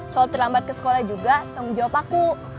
soal terlambat ke sekolah juga tanggung jawab aku